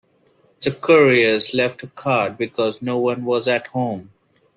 The couriers left a card because no one was at home.